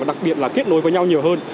đặc biệt là kết nối với nhau nhiều hơn